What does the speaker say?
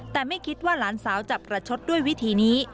แต่ไม่คิดว่าหลานสาวจะประชดด้วยวิธีนี้